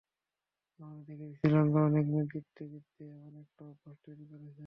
আমরা দেখেছি শ্রীলঙ্কা অনেক ম্যাচ জিততে জিততে এমন একটা অভ্যাস তৈরি করেছে।